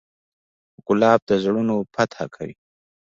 ګلاب د زړونو فتحه کوي.